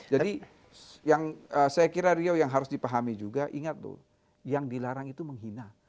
jadi yang saya kira rio yang harus dipahami juga ingat loh yang dilarang itu menghina